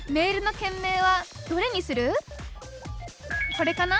これかな？